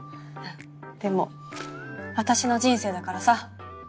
でも私の人生だからさ。